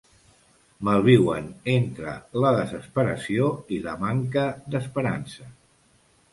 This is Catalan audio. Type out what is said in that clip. Malviuen entre la desesperació i la manca d’esperança.